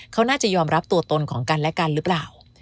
เขาน่าจะยอมรับตัวตนของกันและกันหรือเปล่า